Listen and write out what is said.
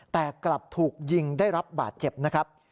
แต่กลับถูกยิงได้รับบาดเจ็บนะครับ